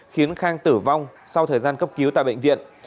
khiến khang tử vong sau thời gian cấp cứu tại bệnh viện